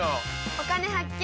「お金発見」。